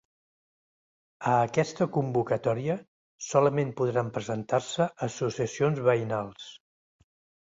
A aquesta convocatòria solament podran presentar-se associacions veïnals.